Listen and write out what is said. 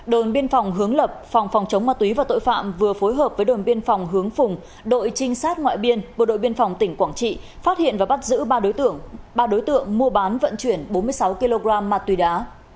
đồn biên phòng hướng lập phòng phòng chống ma túy và tội phạm vừa phối hợp với đồn biên phòng hướng phùng đội trinh sát ngoại biên bộ đội biên phòng tỉnh quảng trị phát hiện và bắt giữ ba đối tượng ba đối tượng mua bán vận chuyển bốn mươi sáu kg ma túy đá